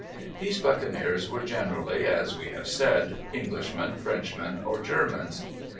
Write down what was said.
These buccaneers were generally, as we have said, Englishmen, Frenchmen, or Germans.